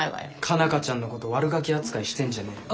佳奈花ちゃんのことワルガキ扱いしてんじゃねえよ。